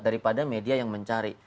daripada media yang mencari